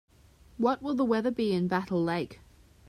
What will the weather be in Battle Lake?